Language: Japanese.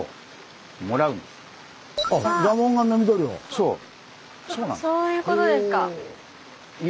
そういうことですか。